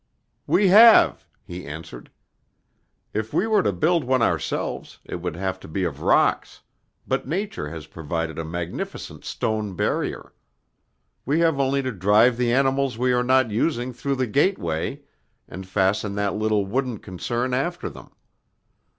"We have," he answered. "If we were to build one ourselves, it would have to be of rocks, but Nature has provided a magnificent stone barrier. We have only to drive the animals we are not using through the gateway, and fasten that little wooden concern after them.